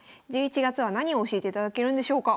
１１月は何を教えていただけるんでしょうか？